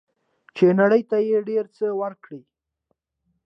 چې نړۍ ته یې ډیر څه ورکړي.